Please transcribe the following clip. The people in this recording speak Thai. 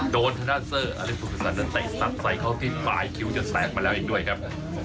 โดนธนาศาสตร์อพุทธศาลเดินใส่สัตว์ใส่เขาที่ปลายคิวจะแตกมาแล้วอีกด้วยครับ